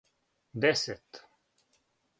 десет